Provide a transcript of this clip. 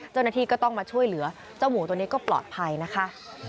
เจ้าหน้าที่ก็ต้องมาช่วยเหลือเจ้าหมูตัวนี้ก็ปลอดภัยนะคะ